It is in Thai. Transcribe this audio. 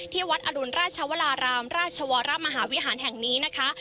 วัดอรุณราชวรารามราชวรมหาวิหารแห่งนี้นะคะ